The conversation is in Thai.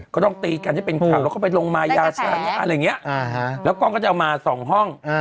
ก็ต้องตีกันให้เป็นข่าวแล้วก็ไปลงมายาชาแงะอะไรอย่างนี้แล้วกล้องก็จะเอามาสองห้อง